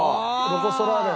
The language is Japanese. ロコ・ソラーレ。